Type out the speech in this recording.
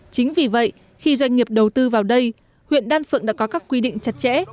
chính vì vậy khi doanh nghiệp đầu tư vào đây huyện đan phượng đã có các quy định chặt chẽ